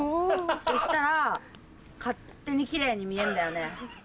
そしたら勝手にキレイに見えんだよね。